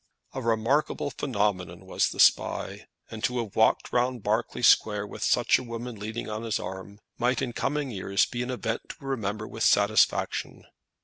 A remarkable phenomenon was the Spy, and to have walked round Berkeley Square with such a woman leaning on his arm, might in coming years be an event to remember with satisfaction.